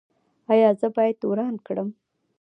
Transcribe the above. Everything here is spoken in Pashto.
ایا زه باید وران کړم؟